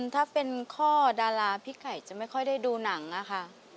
ถ้าเป็นข้อดาราพี่ไข่จะไม่ค่อยได้ดูหนังอะค่ะ